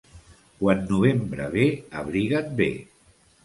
Quan novembre ve, abrigat bé.